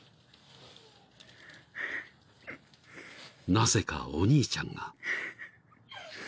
［なぜかお兄ちゃんが］